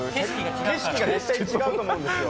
景色が絶対違うと思うんですよ。